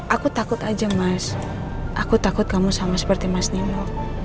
aku takut aja mas aku takut kamu sama seperti mas nimo